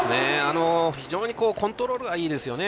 非常にコントロールがいいですよね